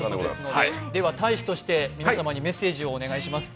大使として、皆様にメッセージをお願いします。